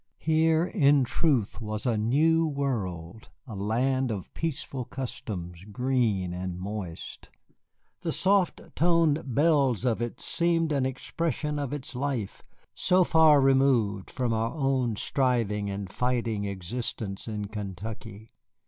Here in truth was a new world, a land of peaceful customs, green and moist. The soft toned bells of it seemed an expression of its life, so far removed from our own striving and fighting existence in Kentucky.